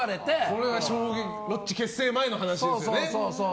これはロッチ結成前の話ですよね。